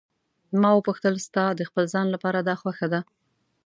ما وپوښتل: ستا د خپل ځان لپاره دا خوښه ده.